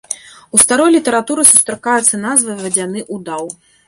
У старой літаратуры сустракаецца назва вадзяны удаў.